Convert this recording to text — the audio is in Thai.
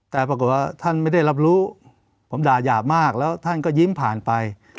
แต่ปรากฏว่าท่านไม่ได้รับรู้ผมด่ายาบมากแล้วท่านก็ยิ้มผ่านไป